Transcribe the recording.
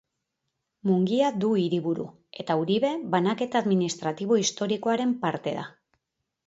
Mungia du hiriburu, eta Uribe banaketa administratibo historikoaren parte da.